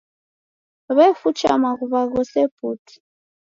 W'efucha maghuwa ghose putu.